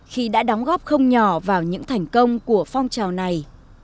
khi đã đóng góp không nhỏ vào những thành công của phong trào này